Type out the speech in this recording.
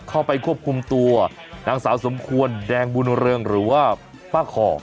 เข้าไปควบคุมตัวนางสาวสมควรแดงบุญเรืองหรือว่าป้าคอ